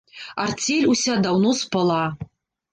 Арцель уся даўно спала.